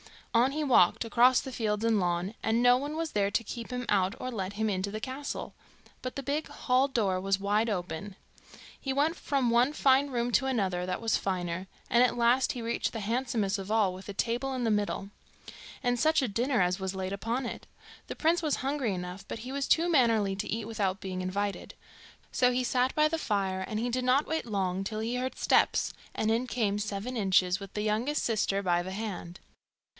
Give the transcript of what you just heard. On he walked, across fields and lawn, and no one was there to keep him out or let him into the castle; but the big hall door was wide open. He went from one fine room to another that was finer, and at last he reached the handsomest of all, with a table in the middle. And such a dinner as was laid upon it! The prince was hungry enough, but he was too mannerly to eat without being invited. So he sat by the fire, and he did not wait long till he heard steps, and in came Seven Inches with the youngest sister by the hand.